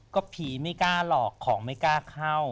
ก็ผีไม่กล้าหลอกของไม่กล้าเข้า